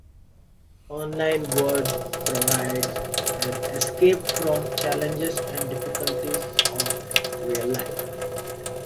The online world provides an escape from the challenges and difficulties of real life.